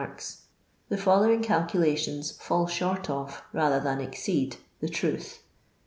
167 Jmrkf, the following calculationi fall short of, rather than exceed, the tmth.